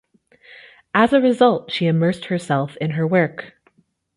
As a result, she immersed herself in her work.